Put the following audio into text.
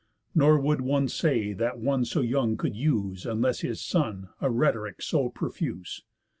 Nor would one say, that one so young could use, Unless his son, a rhetoric so profuse.